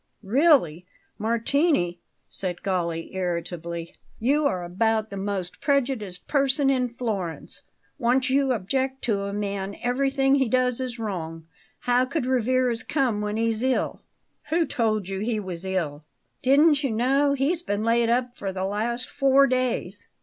"Really, Martini," said Galli irritably, "you are about the most prejudiced person in Florence. Once you object to a man, everything he does is wrong. How could Rivarez come when he's ill?" "Who told you he was ill?" "Didn't you know? He's been laid up for the last four days."